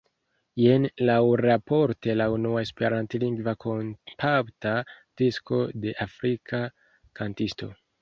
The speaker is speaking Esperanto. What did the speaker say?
Jen laŭraporte la unua Esperantlingva kompakta disko de afrika kantisto.